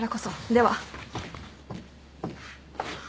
では。